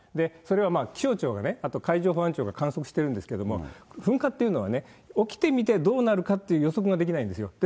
それは気象庁がね、あと、海上保安庁が観測してるんですけれども、噴火っていうのは起きてみてどうなるかって予測ができないんですよ。